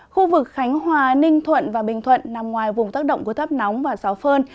khu vực khánh hòa ninh thuận và bình thuận nằm ngoài vùng tác động của thấp nóng và gió phơn